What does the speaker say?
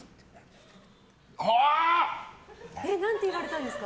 え、何て言われたんですか？